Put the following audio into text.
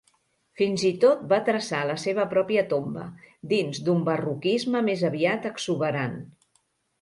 Fins i tot va traçar la seva pròpia tomba, dins d'un barroquisme més aviat exuberant.